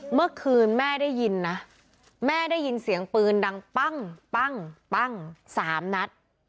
เมื่อคืนแม่ได้ยินนะแม่ได้ยินเสียงปืนดังปั้งปั้งปั้งสามนัด